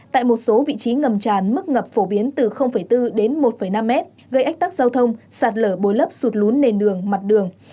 tại một số vị trí ngầm tràn mức ngập phổ biến từ bốn đến một năm mét gây ách tắc giao thông sạt lở bồi lấp sụt lún nền đường mặt đường